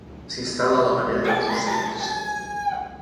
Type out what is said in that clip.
S'instal·la a la manera dels ocells.